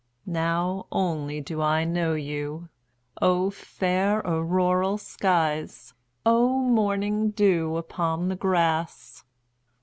Now only do I know you!O fair auroral skies! O morning dew upon the grass!